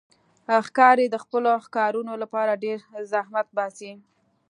ښکاري د خپلو ښکارونو لپاره ډېر زحمت باسي.